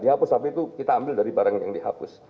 di hapus tapi itu kita ambil dari barang yang dihapus